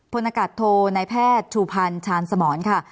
พนักการณ์โทนายแพทย์ทูพันธ์ชาญสมรค่ะ